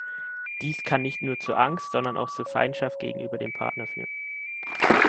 Dies kann nicht nur zu Angst, sondern auch zu Feindschaft gegenüber dem Partner führen.